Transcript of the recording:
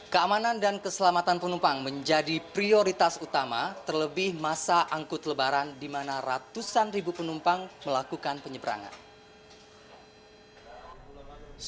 keamanan dan keselamatan penumpang menjadi prioritas utama terlebih masa angkut lebaran di mana ratusan ribu penumpang melakukan penyeberangan